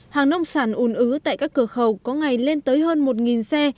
hàng nông sản ùn ứ tại các cửa khẩu có ngày lên tới hơn một xe